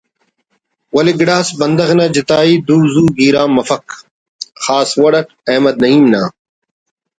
ولے گڑاس بندغ نا جتائی دن زُو گیرام مفک خاص وڑ اٹ احمد نعیم نا